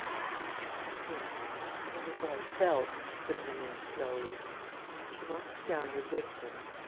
"Yes ... yes ... that is what I felt," said Rénine, slowly. "She marks down her victims....